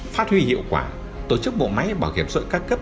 phát huy hiệu quả tổ chức bộ máy bảo hiểm sội ca cấp